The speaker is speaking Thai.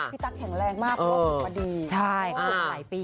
พี่ตั๊กแข็งแรงมากเพราะว่ามันดี